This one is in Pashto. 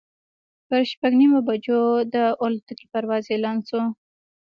پر شپږ نیمې بجې د الوتکې پرواز اعلان شو.